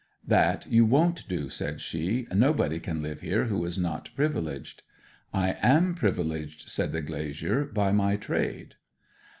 'That you won't do,' said she. 'Nobody can live here who is not privileged.' 'I am privileged,' said the glazier, 'by my trade.'